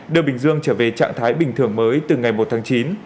đưa bình dương trở về trạng thái bình thường mới từ ngày một tháng chín